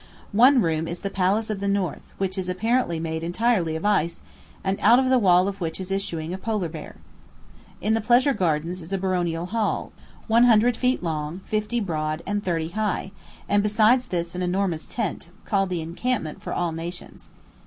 One room is the "Palace of the North," which is apparently made entirely of ice, and out of the wall of which is issuing a polar bear. In the pleasure grounds is a "baronial hall," one hundred feet long, fifty broad, and thirty high; and besides this an enormous tent, called "the Encampment for all Nations."